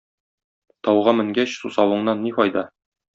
Тауга менгәч сусавыңнан ни файда?